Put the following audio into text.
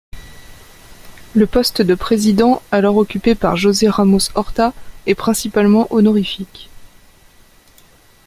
Le poste de président, alors occupé par José Ramos-Horta, est principalement honorifique.